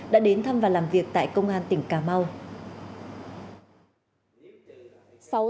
đã đến thăm và làm việc tại công an tỉnh cà mau